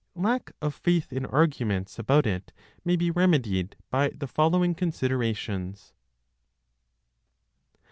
Lack of faith in arguments about it may be remedied by the following considerations.